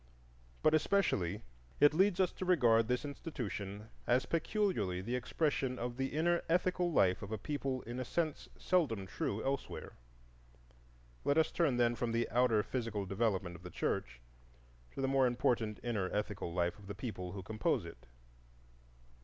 But especially it leads us to regard this institution as peculiarly the expression of the inner ethical life of a people in a sense seldom true elsewhere. Let us turn, then, from the outer physical development of the church to the more important inner ethical life of the people who compose it.